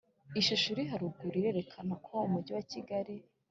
Ishusho iri haruguru irerekana ko umujyi wa kigali